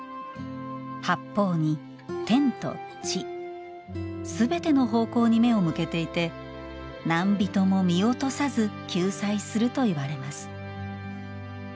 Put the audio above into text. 八方に天と地すべての方向に目を向けていて何人も見落とさず救済するといわれます。